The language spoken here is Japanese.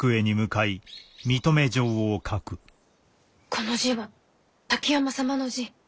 この字は滝山様の字。